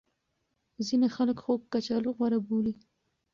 ځینې خلک خوږ کچالو غوره بولي.